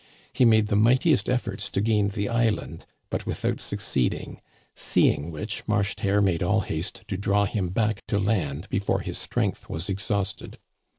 He made the mightiest efforts to gain the island, but without succeeding, seeing which .Marcheterre made all haste to draw him back to land before his strength was exhausted.